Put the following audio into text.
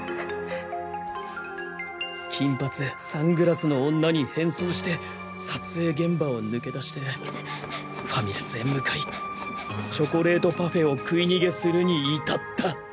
金髪サングラスの女に変装して撮影現場を抜け出してファミレスへ向かいチョコレートパフェを食い逃げするに至った！